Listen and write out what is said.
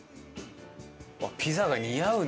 ピザが似合うね